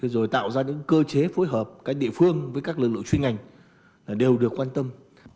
rồi tạo ra những cơ chế phối hợp các địa phương với các lực lượng chuyên ngành đều được quan tâm